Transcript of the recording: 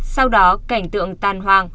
sau đó cảnh tượng tan hoang